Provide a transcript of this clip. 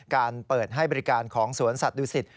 การเปิดให้บริการของสวนสัตวศิษฐ